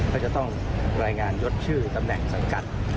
ก็จะต้องรายงานยดชื่อตำแหน่งสังกัด